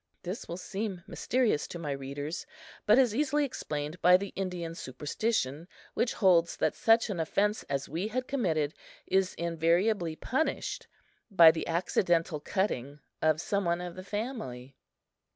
This will seem mysterious to my readers, but is easily explained by the Indian superstition, which holds that such an offense as we had committed is invariably punished by the accidental cutting of some one of the family.